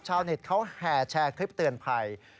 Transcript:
ชาวเน็ตเขาแห่แชร์คลิปเตือนภัย